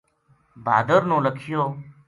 بہادر نو لکھیو